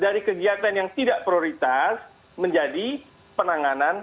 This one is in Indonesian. dari kegiatan yang tidak prioritas menjadi penanganan